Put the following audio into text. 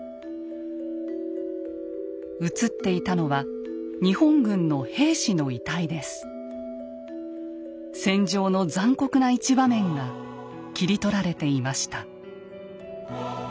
写っていたのは日本軍の戦場の残酷な一場面が切り取られていました。